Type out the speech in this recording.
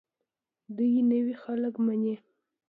دوی نوي خلک مني.